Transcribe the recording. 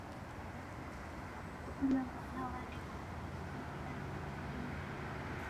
Kila mwana wanekwa kompiuta ya mkonunyi.